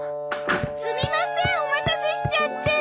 すみませんお待たせしちゃって。